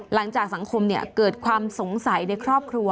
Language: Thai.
หลังจากสังคมเกิดความสงสัยในครอบครัว